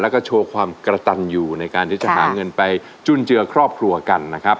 แล้วก็โชว์ความกระตันอยู่ในการที่จะหาเงินไปจุนเจือครอบครัวกันนะครับ